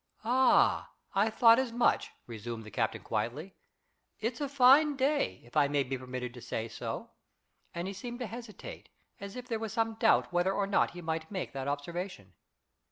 "Ha, I thought as much," resumed the captain quietly. "It's a fine day, if I may be permitted to say so," and he seemed to hesitate, as if there was some doubt whether or not he might make that observation.